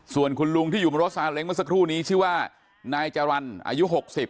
ส่วนคุณลุงที่อยู่บนรถซาเล้งเมื่อสักครู่นี้ชื่อว่านายจรรย์อายุ๖๐